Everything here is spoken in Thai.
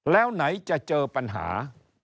แล้วไหนจะเจอปัญหา